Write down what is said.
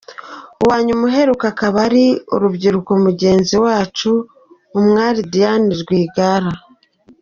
Uwanyuma uheruka akaba ari urubyiruko mugenzi wacu umwali Diane Rwigara.